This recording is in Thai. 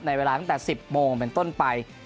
เวลาตั้งแต่๑๐โมงเป็นต้นไป